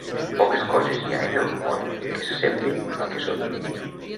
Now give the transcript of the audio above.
Poques coses hi ha en el món que s'assemblin al que són.